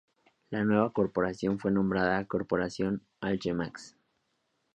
La nueva corporación fue nombrada Corporación Alchemax.